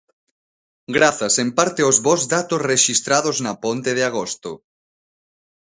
Grazas en parte aos bos datos rexistrados na ponte de agosto.